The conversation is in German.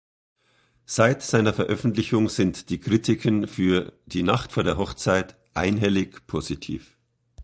Seit seiner Veröffentlichung sind die Kritiken für "Die Nacht vor der Hochzeit" einhellig positiv.